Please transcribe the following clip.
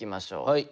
はい。